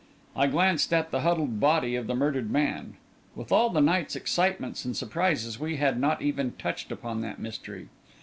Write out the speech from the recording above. I glanced at the huddled body of the murdered man. With all the night's excitements and surprises, we had not even touched upon that mystery.